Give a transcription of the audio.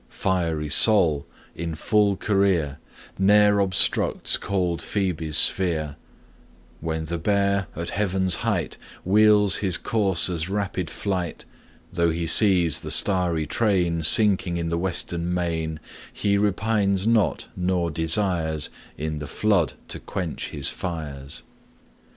Fiery Sol, in full career, Ne'er obstructs cold Phoebe's sphere; When the Bear, at heaven's height, Wheels his coursers' rapid flight, Though he sees the starry train Sinking in the western main, He repines not, nor desires In the flood to quench his fires.